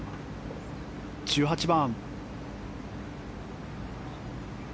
１８番。